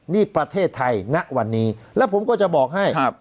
นี่ประเทศไทยณวันนี้แล้วผมก็จะบอกให้